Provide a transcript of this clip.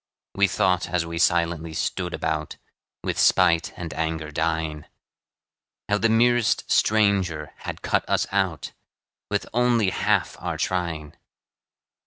We thought, as we silently stood about, With spite and anger dying, How the merest stranger had cut us out, With only half our trying.